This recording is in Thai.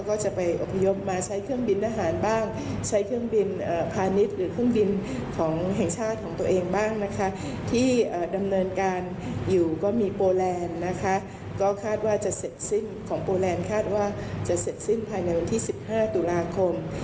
ก็จะไปอพยพมาใช้เครื่องบินทางอาหารบ้างใช้เครื่องบินพ่านิตหรือเครื่องบินแห่งชาติของตัวเองบ้างนะคะที่ดำเนินการอยู่มีโปลแรนนะคะขาดว่าจะเสะสิ้นภายในวันที่๑๕ตุลาคม